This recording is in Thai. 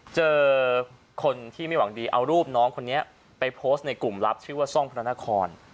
เจอคนที่ไม่หวังดีเอารูปน้องคนนี้ไปโพสต์ในกลุ่มลับชื่อว่าซ่องพระนคร